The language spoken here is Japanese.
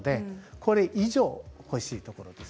これ以上欲しいということです。